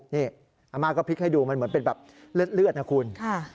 นี่อาม่าก็พลิกให้ดูมันเหมือนเป็นแบบเลือดนะคุณ